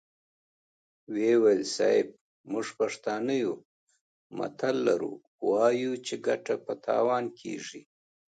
ويې ويل: صيب! موږ پښتانه يو متل لرو، وايو چې ګټه په تاوان کېږي.